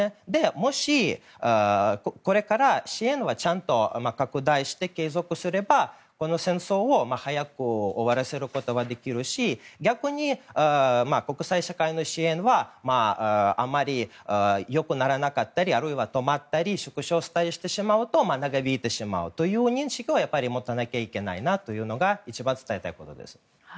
もしこれから支援は拡大して継続すれば、この戦争を早く終わらせることができるし逆に国際社会の支援はあまり良くならなかったりあるいは止まったり縮小したりしてしまうと長引いてしまうという認識は持たなきゃいけないというのが一番伝えたいことです。